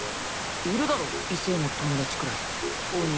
いるだろ異性の友達くらいお姉だって。